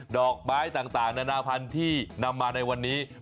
ดอกไม้ต่างนานาพันธุ์ที่นำมาในวันนี้